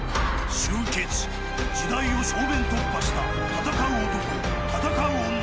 集結、時代を正面突破した闘う男、闘う女。